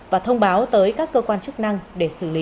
và thông báo tới các cơ quan chức năng để xử lý